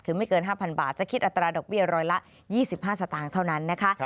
คือไม่เกิน๕๐๐บาทจะคิดอัตราดอกเบี้ยร้อยละ๒๕สตางค์เท่านั้นนะคะ